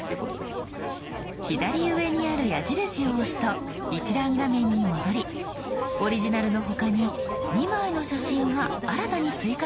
左上にある矢印を押すと一覧画面に戻りオリジナルの他に２枚の写真が新たに追加されました。